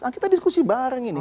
kita diskusi bareng ini